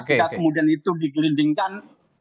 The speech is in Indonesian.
jika kemudian itu digelindingkan